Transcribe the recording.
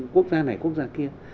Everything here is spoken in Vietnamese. quốc gia này quốc gia kia